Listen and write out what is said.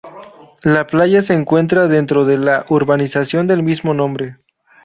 La playa se encuentra dentro de la urbanización del mismo nombre.